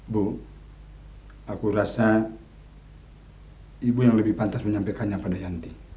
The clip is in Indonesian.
bu aku rasa ibu yang lebih pantas menyampaikannya pada yanti